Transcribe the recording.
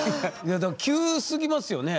急すぎますよね？